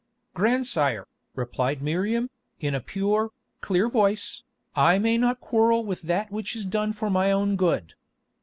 "Grandsire," replied Miriam, in a pure, clear voice, "I may not quarrel with that which is done for my own good.